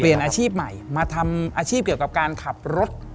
อาชีพใหม่มาทำอาชีพเกี่ยวกับการขับรถ